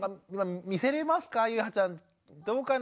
ゆいはちゃんどうかな？